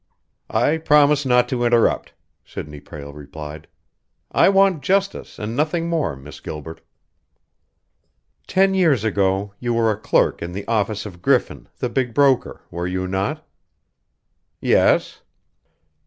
"I promise not to interrupt," Sidney Prale replied. "I want justice and nothing more, Miss Gilbert." "Ten years ago you were a clerk in the office of Griffin, the big broker, were you not?" "Yes."